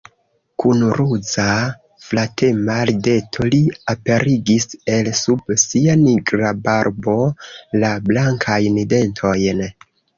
Kun ruza, flatema rideto li aperigis el sub sia nigra barbo la blankajn dentojn.